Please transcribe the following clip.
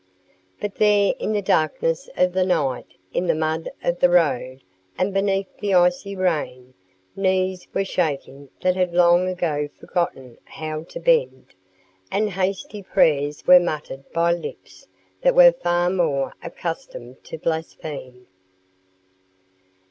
But there, in the darkness of the night, in the mud of the road, and beneath the icy rain, knees were shaking that had long ago forgotten how to bend, and hasty prayers were muttered by lips that were far more accustomed to blaspheme.